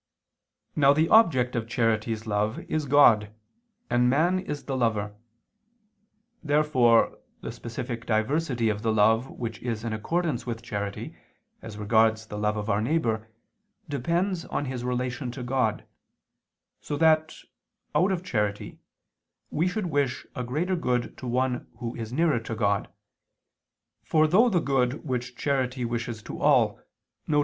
Now the object of charity's love is God, and man is the lover. Therefore the specific diversity of the love which is in accordance with charity, as regards the love of our neighbor, depends on his relation to God, so that, out of charity, we should wish a greater good to one who is nearer to God; for though the good which charity wishes to all, viz.